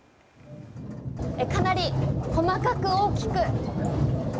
かなり細かく大きく。